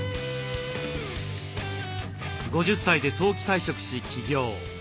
５０歳で早期退職し起業。